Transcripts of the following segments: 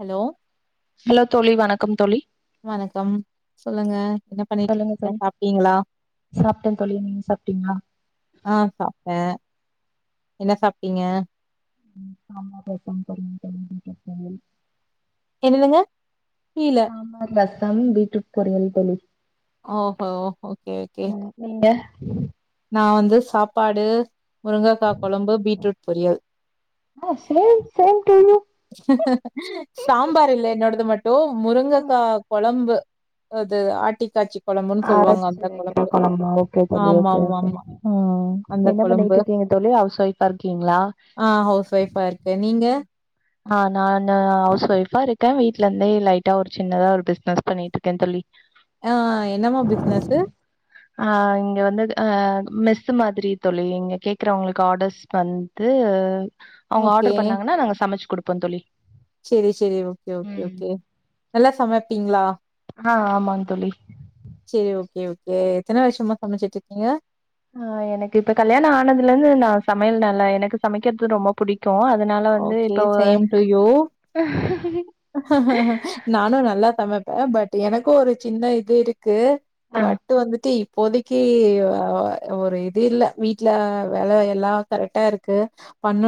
Hello hello தோழி வணக்கம் தோழி வணக்கம் சொல்லுங்க என்ன பண்ணிட்டிருக்கீங்க சாப்ட்டீங்களா சாப்டே தோழி நீங்க சாப்ட்டிங்களா ஆ சாப்டேன் என்ன சாப்டீங்க சாம்பார் ரசம் [inaudible] பீட்ரூட் பொரியல் என்னதுங்க புரியல சாம்பார் ரசம் பீட்ருட் பொரியல் தோழி ஓஹோ ஓ ஓகே ஓகே ம், நீங்க நா வந்து சாப்பாடு முருங்கக்கா கொழம்பு பீட்ரூட் பொரியல் ஆ same same to you sambar இல்ல என்னோடது மட்டு முருங்கக்கா கொழம்பு அது ஆட்டி காச்சி அரைச்சு வெக்கற கொழம்பு ஓகே தோழி ஆமா ஓகே ஆமா ஓகே ஆமா ஆ அந்த என்ன கொழம்பு பண்ணிகிட்டு இருக்கீங்க தோழி ஹவுஸ் ஒய்ப்பா இருக்கீங்களா ஆ ஹவுஸ் ஒய்ஃபா இருக்கே நீங்க ஆ நானு ஹவுஸ் ஒய்ஃப்பா இருக்க வீட்ல இருந்தே லைட்டா ஒரு சின்னதா ஒரு பிசினஸ் பண்ணிட்டு இருக்க தோழி ஆ என்னமா ஃபிஸ்னஸு ஆ இங்க வந்து ஆ மெஸ்ஸு மாதிரி தோழி இங்க கேக்கறவங்களுக்கு ஆர்டர்ஸ் வந்து அவங்க ஓகே ஆர்டர் பண்ணாங்கன்னா நாங்க சமைச்சு குடுப்போ தோழி செரி செரி ஓகே ஓகே ம். ஓகே நல்லா சமைப்பீங்களா ஆ ஆமாங் தோழி செரி ஓகே ஓகே எத்தன வருஷமா சமச்சுட்ருக்கீங்க ஆ எனக்கு இப்ப கல்யாண ஆனதுல இருந்து நா சமையல் நல்ல எனக்கு சமைக்கிறது ரொம்பப் புடிக்கு அதனால வந்து ஓகே. இப்போ சேம் டூ யூ. நானு நல்லா சமைப்பே ஃபட் எனக்கு ஒரு சின்ன இது இருக்கு ஆ ஃபட்டு வந்துட்டு இப் இப்போதைக்கி அ அ ஒரு இது இல்ல வீட்ல வேல எல்லா கரெக்டா இருக் கு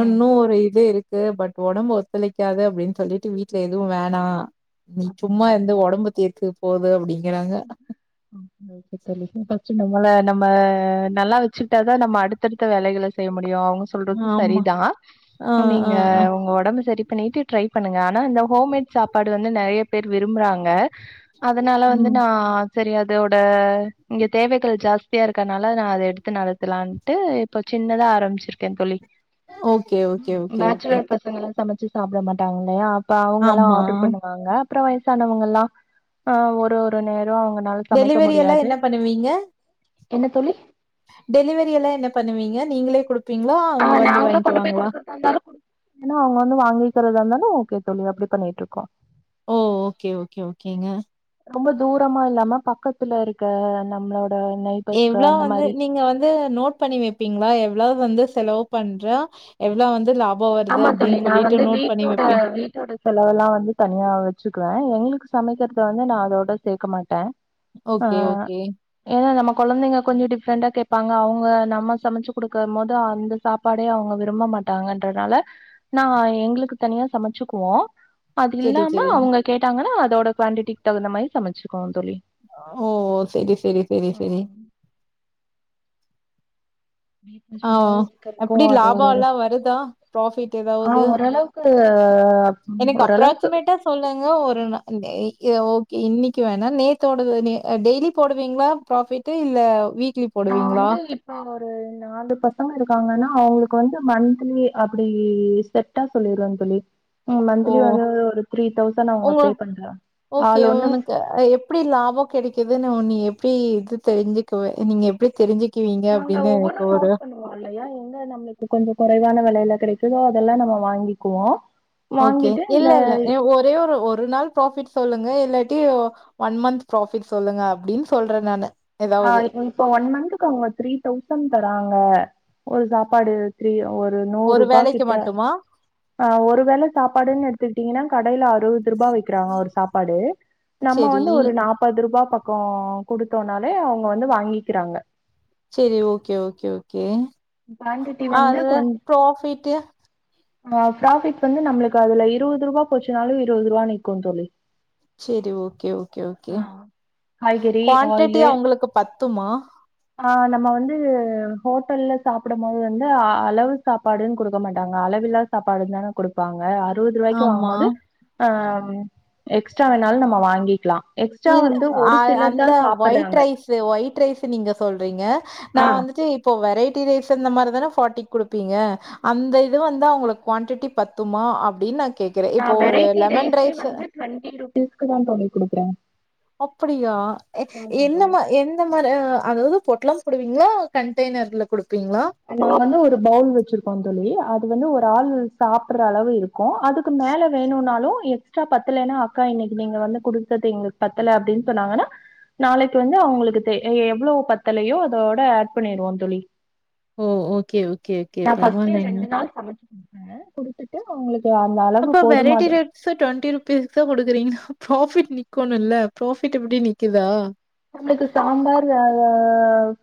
ம் ஒரு இ து இருக்கு பட் ஒடம்பு ஒத்துழைக்காது அப்டின் சொல்லிட்டு வீட்ல எதுவு வேணா நீ சும்மா அப்டிங்களா இருந்து ஒடம்ப தேத்து போது அப்டிங்கறாங்க ஓகே தோழி இப்ப நம்பள நம்ம நல்லா வெச்சுக்ட்டாதா நம்ம அடுத்தடுத்த வேலைகள செய்ய முடியு அவுங் சொல்றது ஆமா. சரிதா ஆ, ஆ, நீங்க ஆ. உங்க ஒடம்ப சரி ப்பன்னிட்டு ட்ரை பண்ணுங்க ஆனா இந்த ஹோம்மேட் சாப்பாடு வந்து நெறைய பேர் விரும்புறாங்க அதனால வந்து ம். ஆ சரி அதோட இங்க தேவைகள் ஜாஸ்தியா இருக்கனால நா அத எடுத்து நடத்தலானு டு இப்ப சின்னதா ஆரம்பிச்சிருக்கே தோழி okay, okay, okay, okay. Bachelor பசங்கலா சமைச்சு சாப்ட மாட்டாங்கள்ளயா அப்ப அவங்கள்ளா ஆமா. ஆடர் பண்ணுவாங்க அப்ரோ வயசானவங்கல்லா ஆ ஒரு ஒருநேர அவங்கனால சமைக்க டெலிவரி எல்லாம் முடியாது என்ன பண்ணுவீங்க? டெலிவரியெல்லா என்ன பண்ணுவீங்க நீங்களே குடுப் பீங்களா ஆ நாங்களு கொண்டு போய் குடுக்கறதா இருந்தாலு குடுப் அனா அவங்க வந்து வாங்கிக்கிறதா இருந்தாலு ஓகே தோழி அப்டி பண்ணிட்ருக்கோ ஓ ஓகே ஓகே ஓகேங்க ரொம்ப தூரமா இல்லாம பக்கத்துல இருக்க நம்மளோட நைப் எவ்ளோ வந்து நீங்க வந்து நோட் பண்ணி வெப்பீங்களா எவ்ளோ வந்து செலவு பண்றோ எவ்ளோ வந்து லாப் ஆமா தோழி நா வந்து வீட்டோட வீட்டோட செலவெல்லா வந்து தனியா வெச்சுக்குவே எங்களுக்கு சமைக்கிறத வந்து நா அதோட சேக்க மாட்ட ஆ ஓகே ஓகே. ஏன்னா நம்ம குழந்தைங்க கொஞ்சோ டிஃப்ரெண்டா கேப்பாங்க அவங்க நம்ம சமைச்சு குடுக்கம்போது அந்த சாப்பாடே அவங்க விரும்ப மாட்டாங்கன் ன்றதால நா எங்களுக்கு தனியா சமச்சுக்குவோ அது சரி இல்லாம சரி. அவங்க கேட்டாங்கன்னா அதோட குவான்டிடிக் தகுந்தா மாரி சமச்சுக்குவோ தோழி ஓ செரி செரி செரி செரி ம் வீட்ல ஆ சும்மாவே இருக்கரதுக்கு எப்டி அது ஒரு லாபம்லா வருதா? ப்ராஃபிட் ஏதாவது? க்கு அ எனக்கு அப்ராக்ஸிமேட்டா சொல்லுங்க ஒருஸநா எ ஓகே இன்னைக்கு வேணா நேத்தோடது நே டெய்லி போடுவீங்களா ப்ராபிட் டு இல்ல வீக் நா வந்து இப்ப ஒரு நாலு பசங்க இருக்காங்கனா அவங்களுக்கு வந்து மந்த்லி அப்படி செட்டா சொல்லிருவேங் தோழி ம் மந்த்த்லி ஓ. வந்து ஒரு த்ரீ தௌசண்ட் அவங்க பே பண்றாங்க ஆ லோன்னு அல எப்டி லாபொ கெடைக்குதுன் ஒன்ன எப்டி இது தெரிஞ்சுக்வெ நீங்க எப்டி தெரிஞ்சு க்வீங்க அப்டின்னு இப்பொரு [unintelligible] இல்லயா எங்க நம்மள்க்கு கொஞ்சொ கொறைவான வெலயில கெடைக்குதோ அதெல்லாம் நம்ம வாங்கிக்வோ ஓகே இல்லல்ல எ ஒரேஒரு ஒரு நாள் ப்ரோஃபிட் சொல்லுங்க இல்லாட்டி ஒன் மந்த்த் ப்ரோஃபிட் சொல்லுங்க அப்டின் சொல்றெ நானு ஆ ஏதாவது இப்ப ஒன் மந்த்க்கு அவங்க த்ரீ தௌசண்ட் தறாங்க ஒரு சாப்பாடு த்ரீ ஒரு நூற் ரூபா வேலைக்கு கிட்ட மட்டுமா ஆ ஒரு வேள சாப்பாடுன் எடுத் த்துட்டிங்கனா கடைய்ல அறுவது ரூபா விக்கிறாங்க ஒரு சாப்பாடு நம்ம செரி வந்து ஒரு நாப் பது ருபா பக்கோ குடுத்தோனாலே அவங்க வந்து வாங்கிக்றாங்க செரி ஓகே ஓகே ஒகே குவான்டிட்டி அ வந்து அதுல கொஞ் ப்ரஃபிட்டு ஆ ஃப்ராஃபிட் வந்து நம்ளுக்கு அதுல இருபது ரூவா போச்சுன்னாலும் இருபது ரூவா நிக்கும் தோழி செரி ஓகே ஓகே ஓகே ஆ காய்கறி க்வான்டிட்டி ஆயிலு அவுங்க்ளுக்கு பத்துமா ஆ நம்ம வந்து ஹோட்டல்ல சாப்படும்போது வந்து அளவு சாப்பாடுன் குடுக்க மாட்டாங்க அளவில்லா சாப்பாடு தான குடுப்பாங்க அறுவது ரூவாய்க்கு வாங்கும் ஆமா போது ஆ ம் எக்ஸ்ட்ரா வேணாலும் நம்ம வாங்கிக்லா இல் அ அந்த வொயிட் ரைஸு ஒயிட் ரைஸு நீங்க சொல்றீங்க நா ஆ வந்துட்டு இப்போ வெரைட்டி ரைஸ் இந்த மாரிதான ஃபாட்டிக் குடுப்பீங்க அந்த இது வந்து அவங்களுக் குவாண்டிட்டி பத்துமா அப்படின்னு நா கேக்குறே இப்போ ஒரு லெமன் ரைஸு டுவண்ட்டி ருபீஸ்க்கு தா தோழி குடுக்குறே அப்படியா எ ஆமா தோழி என்னமா என் இந்த மாரி அ அதாவது பொட்லாம் போடுவீங்களா கண்டெய்னர்ல குடுப்பீங்களா நா வந்து ஒரு பௌவுல் வச்சிருக்கோ தோழி அது வந்து ஒரு ஆள் சாப்ற அளவு இருக் க்கும் அதுக் மேல வேணுனாலு எக்ஸ்ட்ரா பத்தலனா அக்கா இன்னைக்கு நீங்க வந்து கொடுத்தது எங்களுக் பத்தல அப்டின் சொன்னாங்கனா நாளைக் வந்து அவங்க்ளுக்கு தெ யெ எவ்ளோ பத்தலயோ அதோட ஆட் பண்ணிருவோம் தோழி ஓ ஓகே ஓகே ஓகே. நா ஃபர்ஸ்டே பரவாயில்லைங்க. ரெண்டு நாள் சமச்சு குடுப்பே குடுத்துட்டு அவுங்க்ளுக்கு அந்த அள அப்போ வெரைட்டி ரே ஸ் டுவெண்டி ருப்பிஸ் தா கொடுக்றீங்களா ப்ராஃபிட் நிக்கொணு ல்ல ப்ராஃபிட் எப்டி நிக்குதா நம்ளுக்கு சாம்பார் அ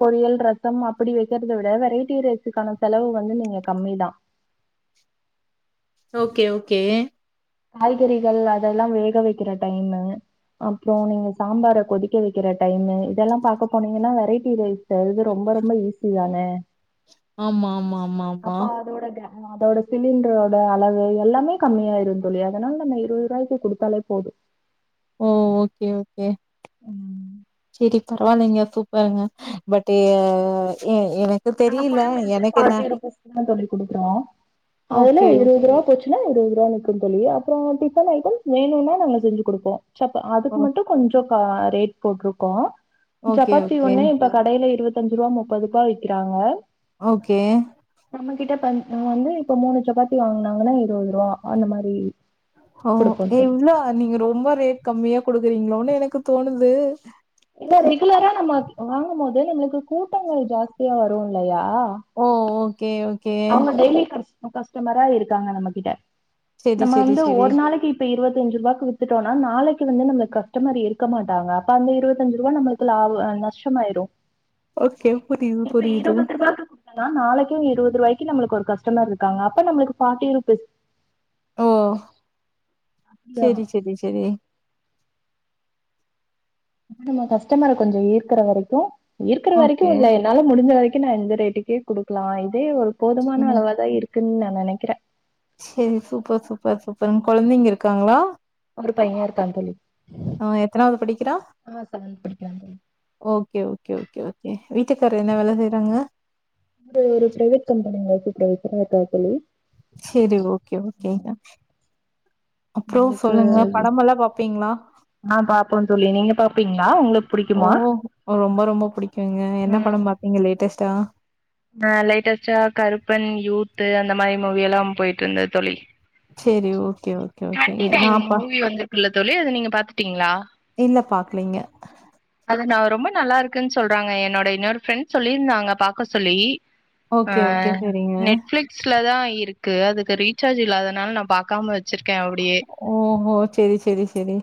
பொரியல் ரசம் அப்படி வெக்கிறத விட வெரைட்டி ரை ஸ்க்கான செலவு வந்து நீங்க கம்மி தான் ஓகே ஓகே காய்கறிகள் அதெல்லாம் வேக வைக்கிற டைம்மு அப்றோ நீங்க சாம்பார கொதிக்க வைக்கற டைமு இதெல்லாம் பாக்க போனீங்கனா வெரைட்டி ரைஸ் செய்றது ரொம்ப ரொம்ப ஈஸிதான ஆமா, ஆமா, ஆமா, ஆமா. அப்ப அதோட கே அதோட சிலிண்ட்ரோட அளவு எல்லாமே கம்மியாருந் தோழி அதனால நம்ம இருவது ரூவாய்க்கு குடுத்தாலே போதும் ஓ ஓகே ஓகே ம் ம் கெ பரவா இல்லைங்க சூப்பருங்க பட் ஏ ஏ எனக் நாங்க ஃபுல் மீல்ஸே ஃபார்ட்டி ருப்பீஸ்குதா தோழி குடுக்குறோ அதுல ஓகே, இருவது ருவா போச் சுனா இருவதுருவா நிக்கு தோழி அப்பறோ டிஃபன் ஐட்டம்ஸ் வேணுனா நாங்க செஞ்சு குடுப்போ சப்ப ஓ அதுக்கு மட்டு கொஞ்சோ க ரேட் போட்ருக்கோ ஓகே, சப்பாத்தி ஓகே, ஒண்ணே இப்ப கடேல இருவத்தஞ்ருவா முப்பது ருபா விக்கிறாங்க ஓகே நம்ம கிட்ட பா வந்து இப்ப மூணு சப்பாத்தி வாங்க்னாங்னா இருவது ருவா அந்த மாரி ஓ குடுப்போம் தோழி எவ்ளோ நீங்க ரொம்ப ரேட் கம்மியா குடுக்குறீங்களோன் எனக்கு தோணுது இல்ல ரெகுலரா நம்ம வாங்குமோது நம்ளுக்கு கூட்டங்கள் ஜாஸ்தியா வரு இல்லயா ஓ ஓ கே ஓகே அவுங்க டெய்லி கஸ்டமரா இருக்காங்க நம்ம கிட்ட சரி, நம்ம சரி, வந்து சரி. ஒரு நாளக்கி இப்ப இருவத்தஞ்சு ருவாக்கு வித்துட்டோனா நாளக்கி வந்து நம்மளுக் கஸ்டமர் இருக்க மாட்டாங்க அப்ப அந்த இருவத்தஞ்சு ருவா நம்மளுக் கு லாப நஷ்டமாய்று ஓகே புரியுது, இப்ப புரியுது. இருவது ருவாக்கு குடுத்த நாளைக்கு இருவது ருவாய்க் கி நம்மளுக்கு ஒரு கஸ்டமர் இருக்காங்க அப்ப நம்மளுக்கு ஃபார்ட்டி ருபீஸ் ஓ சேரி சேரி சேரி நம்ம கஸ்டமரா கொஞ்சோ ஈர்க்கற வரைக்கு ஈர்க்கற வரைக்கு ஓகே. இல்ல என்னால முடுஞ்ச வரைக்கு நா இந்த ரேட்டுக்கே குடுக்கலா இதே ஒரு போதுமான ம். அளவா தா இருக்குன் நா நெனைக்கறே சேரி சூப்பர் சூப்பர் சூப்பர் ஒங்க கொழந்தைங்க இருக்காங்களா ஒரு பையே இருக்கா தோழி அ எத்தனாவது படிக்கிறா? ஆ சவந்த் படிக்கிறா தோழி ஓகே ஓகே ஓகே ஓகே வீட்டுக்காரு என்ன வேல செய்றாங்க அவர் ஒரு பிரைவேட் கம்பனில சூப்பர்வைசரா இருக்கார் தோழி சேரி ஓகே ஓகேங்க அப்றோ நம்மளுக்கு சொல்லுங்க படமெல்லா பாப்பிங்ளா ஆ பாப்போ தோழி நீங்க பாப்பீங்களா உங்களுக்கு ஓ புடிக்குமா ரொம்ப ரொம்ப புடிக்கூங்க என்ன படம் பாப் நீங்க லேட்டஸ்ட்டா நா லேட்டஸ்ட்டா கருப்பன் யூத்து அந்த மாரி மூவியெல்லா போயிட்ருந்தே தோழி சேரி ஓகே ஓகே ஓகே நா அப்ப இல்ல தோழி அது நீங்க பாத்துட்டிங்களா இல்ல பாக்கலிங்க அது நா ரொம்ப நல்லா இருக்குன் சொல்றாங்க என்னோட இன்னோரு ஃப்ரண்ட் சொல்லிருந்தாங்க பாக்க சொல்லி அ ஓகே ஓகே சரிங்க. நெட்ஃபிளிக் ல தா இருக்கு அதுக்கு ரீசார்ஜ் இல்லாதனால நா பாக்காம வச்சுருக்கே அப்டியே ஓ ஹோ சேரி சேரி சேரி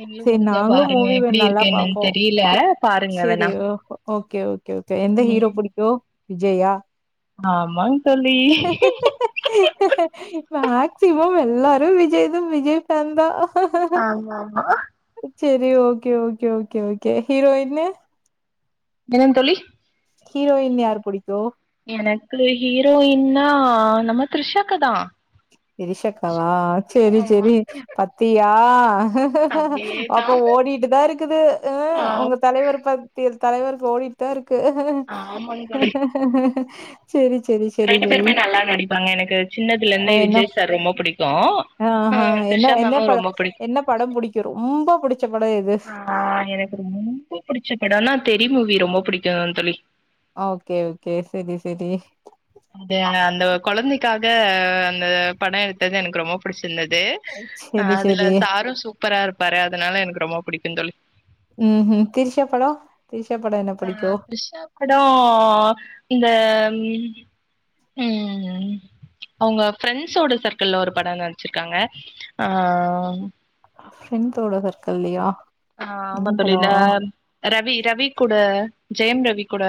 நீங்களும் சேரி முடிஞ்சா நாங்களு பாருங்க. மூவி வ எப்படி நல்லா இருக்கு என்னன்னு பாப்போ தெரியல. பாருங்க சேரி வேணா. ஓ ஓகே ஓ ஓகே ஓகே எந்த ஹீரோ புடிக்கு விஜயா ஆமாங் தோழி மேக்சிமம் எல்லாரு விஜய் து விஜய் ஃபேன் தா ஆமா ஆமா சேரி ஓகே ஓகே ஓகே ஓகே ஹீரோயின்னு என்னங் தோழி ஹீரோயின் யாரு புடிக்கு எனக்கு ஹீரோயின்னா நம்ம திருஷாக்காதா திரிஷாக்காவா செரி ஆமா. செரி பத்தியா அதே அப்ப தான். ஓடிட்டுதா இருக்குது அ ஆ உங்க தலைவர பத்தி தலைவருக்கு ஓடிட்டு தா இருக்கு ஆமாங்க தோழி. செரி செரி செரி செரி நாங்க எனக்கு சின்னதுல இருந்தே விஜய் சார் ரொம்ப பிடிக்கு ஆ ஹ என்ன என்ன பட என்ன படம் புடிக்கு ரொம்ப புடிச்ச படொ எது ஆ எனக்கு ரொம்ப புடிச்ச படோனா தெரி மூவி ரொம்ப புடிக்கு தோழி ஆ ஓகே ஓகே செரி செரி அந்த அந்த கொழந்தைக்காக அந்த படொ எடுத்தது எனக்கு ரொம்ப புடிச்சிருந்தது ஆ செரி அதுல செரி சாரு சூப்பரா இருப்பாரு அதனால எனக்கு ரொம்ப பிடிக்கு தோழி ம் ஹிம் திரிஷா படொ திரிஷா படொ என்ன அ புடிக்கு திரிஷா படோ இந்த ம் அவங்க ஃபரெண்ஸ்ஸோட சர்க்கிள்ல ஒரு படொ நடிச்சிருக்காங்க ஆ ஃப்ரெண்டோட சர்க்கிள்லையா ஆ ஆமா தோழி ல ரவி ரவி கூட ஜெயம் ரவி கூட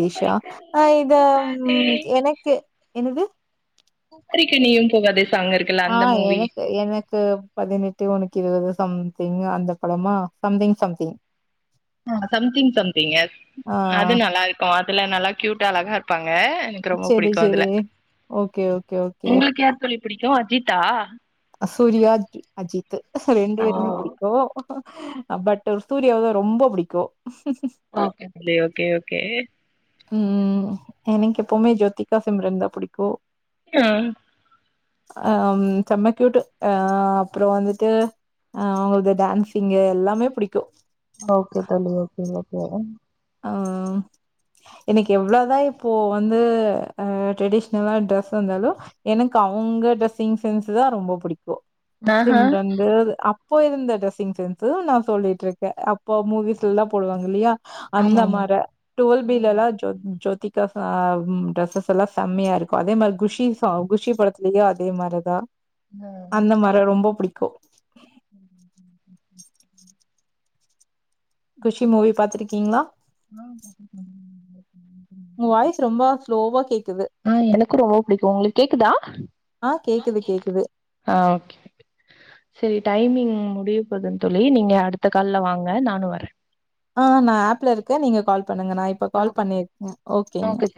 பூப்பறிக்க ஆ நீயும் இத பூகாதே எனக்கு என்னது பறிக்க நீயும் போகாதே சாங்க் இருக்கு ஆ எனக்கு எனக் க்கு பதினெட்டு உனக்கு இருவது சம்திங் அந்த படமா சம்திங் சம்திங் ஆ சம்திங் சம்திங்க ஆ அது நல்லாருக்கு அதுல நல்லா க்யூட்டா அழகா இருப்பாங்க எனக்கு ரொம்ப சரி, பிடிக்கு சரி. அதுல ஓகே, ஓகே, ஓகே. உங்களுக்கு யார் தோழி பிடிக்கு அஜித்தா அ சூரியா அஜித் ரெண்டு ஓ பேரையுமே புடிக்கு பட்டு சூர்யாவதா ரொம்ப புடிக்கு ஓகே புள்ளே ஓகே ஓகே ம் எனக்கு எப்பவுமே ஜோதிகா சிம்ரன் தா புடிக்கு க ஆம் செம க்யுட் அ அப்றோ வந்துட்டு அ அவங்களது டான்சிங் எல்லாமே பிடிக்கு ஓகே தோழி ஓகே ஓகே ஆ இன்னைக்கு எவ்ளோதா இப்போ வந்து அ ட்ரெடிஷ்னலா ட்ரெஸ் வந்தாலு எனக்கு அவங்க டிரெஸ்ஸிங் சென்ஸ்தா ரொம்ப புடிக்கு ஆஹா சிம்ரன்து ப்போ இருந்த டிரெஸ்ஸிங் சென்ஸ்தா நா சொல்லிட்டு இருக்கே அப்போ மூவிஸ்லல்லா போடுவாங்க இல்லயா ஆமா அந்த ஆமா மாரா டோல் பி ம் லல்லா ஜோதிகா சா ம் டிரெஸ்ஸஸ் எல்லா செம்மியா இருக்கு அதே மார் குஷி ஷா குஷி படத் லியு அதே மாருதா ஆ அந்த மார ரொம்ப புடிக்கு குஷி மூவி பாத்திருக்கீங்ளா ஆ பாத்துருக்க உங்க வாய்ஸ் ரொம்ப ஸ்லோவா கேக்குது [inaudible] ஆ எனக்கு ரொம்ப புடிக்கு உங்களுக் கேக்குதா ஆ கேக்குது கேக்குது ஆ ஓகே சரி டைமிங் முடிய போதுன் தோழி நீங்க அடுத்த கால்ல வாங்க நானு வரே ஆ நா ஆப்ல இருக்கே நீங்க கால் பண்ணுங்க நா இப்ப ஆ கால் பண்ணிருக்கே ஓகேங்க ஓகே